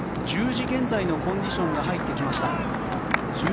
１０時現在のコンディションが入ってきました。